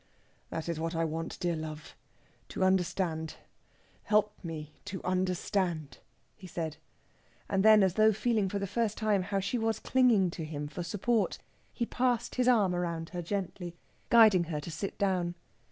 "That is what I want, dear love to understand. Help me to understand," he said. And then, as though feeling for the first time how she was clinging to him for support, he passed his arm round her gently, guiding her to sit down.